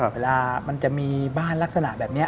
เวลามันจะมีบ้านลักษณะแบบนี้